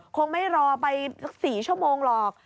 คงไม่รอไปสัก๔ชั่วโมงหรอก